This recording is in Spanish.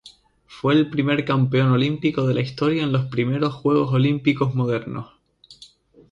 Fue el primer campeón olímpico de la historia en los I Juegos Olímpicos modernos.